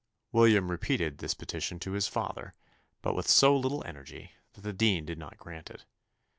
William repeated this petition to his father, but with so little energy, that the dean did not grant it.